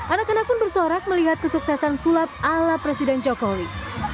anak anak pun bersorak melihat kesuksesan sulap ala presiden jokowi